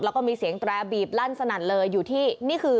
แล้วก็มีเสียงแตรบีบลั่นสนั่นเลยอยู่ที่นี่คือ